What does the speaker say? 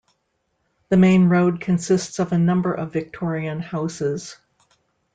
The main road consists of a number of Victorian houses.